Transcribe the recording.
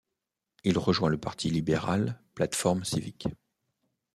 Il rejoint le parti libéral Plate-forme civique.